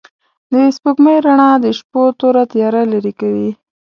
د سپوږمۍ رڼا د شپو توره تياره لېرې کوي.